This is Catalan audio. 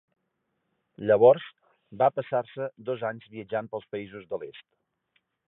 Llavors va passar-se dos anys viatjant pels països de l'est.